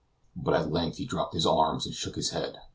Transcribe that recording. But at length he dropped his arms and shook his head.